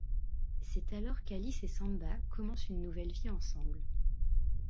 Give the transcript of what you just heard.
C'est alors qu' Alice et Samba commencent une nouvelle vie ensemble.